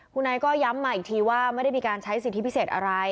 คุณไอก็ย้ำมาอีกทีว่าไม่ได้มีการใช้สิทธิพิเศษอะไร